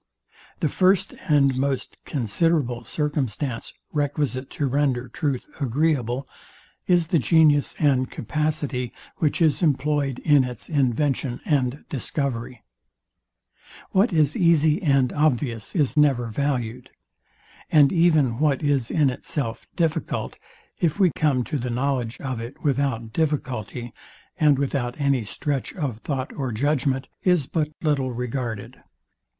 The first and most considerable circumstance requisite to render truth agreeable, is the genius and capacity, which is employed in its invention and discovery. What is easy and obvious is never valued; and even what is in itself difficult, if we come to the knowledge of it without difficulty, and without any stretch of thought or judgment, is but little regarded.